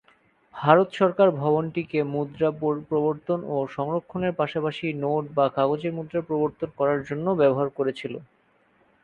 ভারত সরকার ভবনটিকে মুদ্রা প্রবর্তন ও সংরক্ষণের পাশাপাশি, নোট বা কাগজের মুদ্রা প্রবর্তন করার জন্যও ব্যবহার করেছিল।